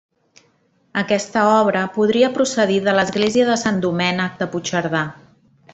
Aquesta obra podria procedir de l'església de Sant Domènec de Puigcerdà.